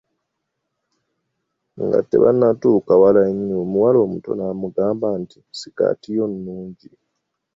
Nga tebannatuuka wala nnyo omuwala omuto n'amugamba nti, Sikati yo nnungi .